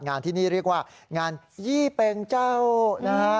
งานที่นี่เรียกว่างานยี่เป็งเจ้านะฮะ